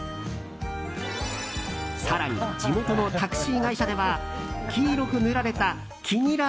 更に、地元のタクシー会社では黄色く塗られた黄ニラ